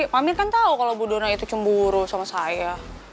pak amir kan tahu kalau bu dona itu cemburu sama saya